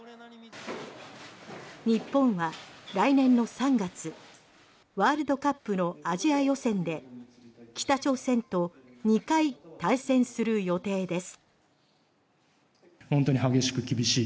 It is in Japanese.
日本は来年の３月ワールドカップのアジア予選で北朝鮮と２回対戦する予定です。